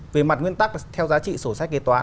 về mặt nguyên tắc theo giá trị sổ sách kế toán